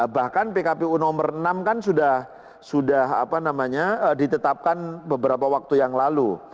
bahkan pkpu nomor enam kan sudah ditetapkan beberapa waktu yang lalu